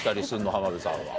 浜辺さんは。